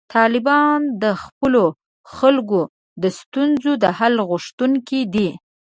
طالبان د خپلو خلکو د ستونزو د حل غوښتونکي دي.